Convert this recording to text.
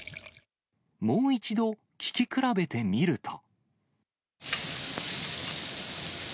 もう一度聞き比べてみると。